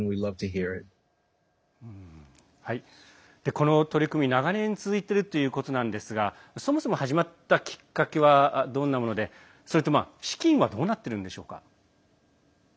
この取り組み、長年続いているということですがそもそも始まったきっかけはどんなもので、資金はどうなっているんでしょうか。